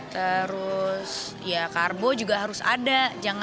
terus ya karbo juga harus ada